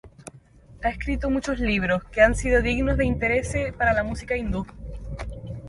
Ha escrito muchos libros, que han sido dignos de interese para la música hindú.